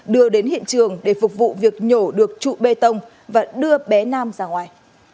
đưa đến hiện trường để phục vụ việc nhổ được trụ bê tông và đưa bé nam ra ngoài